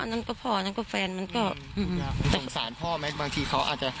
นั่นก็พ่อนั้นก็แฟนมันก็อยากสงสารพ่อไหมบางทีเขาอาจจะ